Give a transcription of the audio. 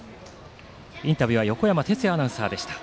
インタビューは横山哲也アナウンサーでした。